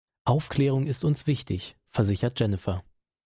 Aufklärung ist uns wichtig, versichert Jennifer.